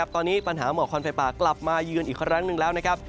ตอนนี้ปัญหาหมอกควันไฟป่ากลับมายืนอีกครั้งหนึ่งแล้วนะครับ